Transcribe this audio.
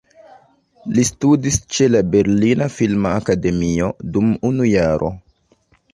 Li studis ĉe la "Berlina Filma Akademio" dum unu jaro.